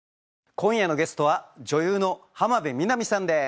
今夜のゲストは女優の浜辺美波さんです。